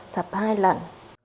sập hai lần